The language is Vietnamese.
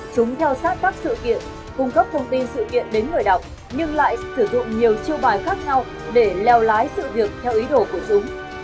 chúng theo sát các sự kiện cung cấp thông tin sự kiện đến người đọc nhưng lại sử dụng nhiều chiêu bài khác nhau để leo lái sự việc theo ý đồ của chúng